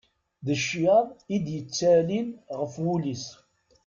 D ccyaḍ i d-yettalin ɣef wul-is.